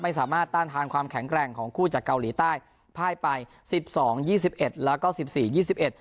สามารถต้านทานความแข็งแกร่งของคู่จากเกาหลีใต้พ่ายไปสิบสองยี่สิบเอ็ดแล้วก็สิบสี่ยี่สิบเอ็ด